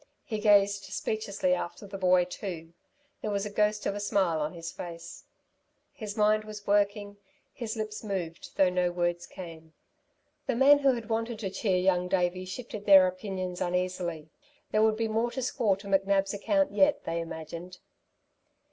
He gazed speechlessly after the boy too; there was a ghost of a smile on his face. His mind was working; his lips moved though no words came. The men who had wanted to cheer Young Davey shifted their opinions uneasily. There would be more to score to McNab's account yet, they imagined.